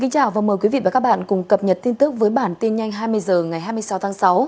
chào mừng quý vị đến với bản tin nhanh hai mươi h ngày hai mươi sáu tháng sáu